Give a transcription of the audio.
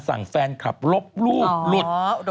แฟนคลับลบรูปหลุด